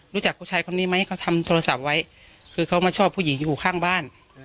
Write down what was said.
รู้จักผู้ชายคนนี้ไหมเขาทำโทรศัพท์ไว้คือเขามาชอบผู้หญิงอยู่ข้างบ้าน